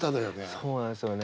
そうなんですよね。